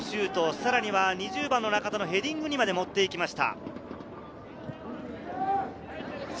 さらには２０番・中田のヘディングまで持っていきました。